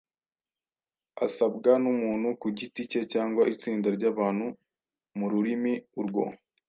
asabwa n’umuntu ku giti ke cyangwa itsinda ry’abantu mu rurimi urwo